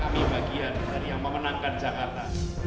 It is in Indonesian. kami bagian dari yang memenangkan jakarta